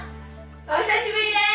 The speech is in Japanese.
お久しぶりです！